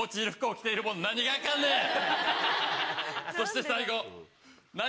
そして最後。